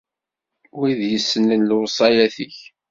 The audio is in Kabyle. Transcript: Wid yessnen lewṣayat-ik.